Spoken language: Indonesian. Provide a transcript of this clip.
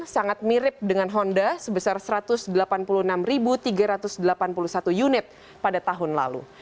sangat mirip dengan honda sebesar satu ratus delapan puluh enam tiga ratus delapan puluh satu unit pada tahun lalu